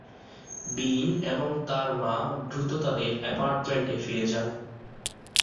বিন এবং তার মা দ্রুত তাদের অ্যাপার্টমেন্টে ফিরে যান।